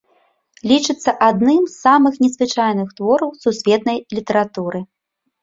Лічыцца адным з самых незвычайных твораў сусветнай літаратуры.